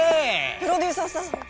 プロデューサーさん。